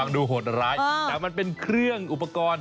ไหว้ดูหลายแต่มันเป็นเครื่องอุปกรณ์